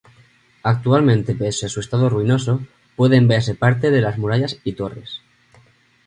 Actualmente pese a su estado ruinoso, pueden verse parte de las murallas y torres.